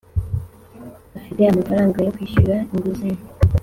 Afite amafaranga yo kwishyura inguzanyo